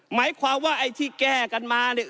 หมายความว่าไอ้ที่แก้กันมาเนี่ย